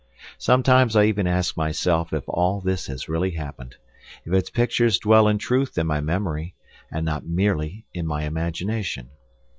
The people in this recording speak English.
Sometimes I even ask myself if all this has really happened, if its pictures dwell in truth in my memory, and not merely in my imagination.